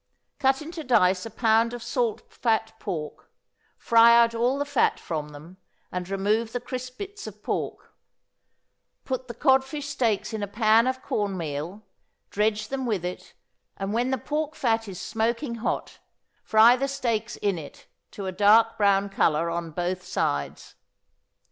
Cut into dice a pound of salt fat pork, fry out all the fat from them, and remove the crisp bits of pork; put the codfish steaks in a pan of corn meal, dredge them with it, and, when the pork fat is smoking hot, fry the steaks in it to a dark brown color on both sides.